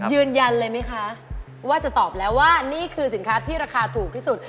ยืนยันเลยไหมคะว่าจะตอบแล้วว่านี่คือสินค้าที่ราคาถูกที่สุด